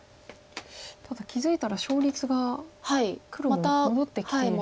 ただ気付いたら勝率が黒戻ってきているので。